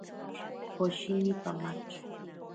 Poshini pamaki.